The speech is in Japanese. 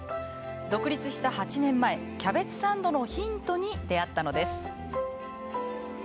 独立した８年前キャベツサンドのヒントに出会ったのです。